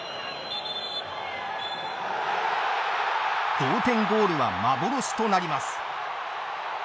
同点ゴールは幻となります。